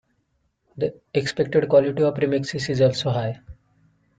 The expected quality of remixes is also high.